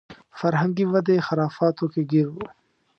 فرهنګي ودې خرافاتو کې ګیر و.